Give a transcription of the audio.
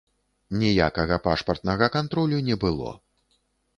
Ніякага пашпартнага кантролю не было.